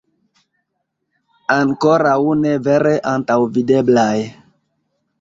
Ankoraŭ ne vere antaŭvideblaj...